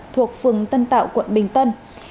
thuộc phường tân tạo quận bình tân